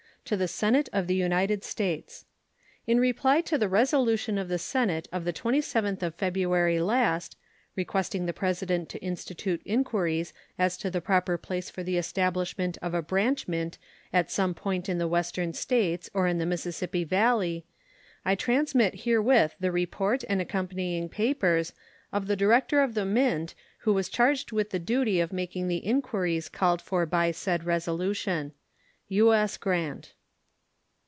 To the Senate of the United States: In reply to the resolution of the Senate of the 27th of February last, requesting the President to institute inquiries as to the proper place for the establishment of a branch mint at some point in the Western States or in the Mississippi Valley, I transmit herewith the report, and accompanying papers, of the Director of the Mint, who was charged with the duty of making the inquiries called for by said resolution. U.S. GRANT.